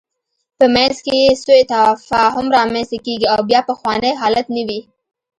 په منځ کې یې سوء تفاهم رامنځته کېږي او بیا پخوانی حالت نه وي.